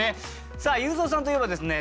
さあ裕三さんといえばですね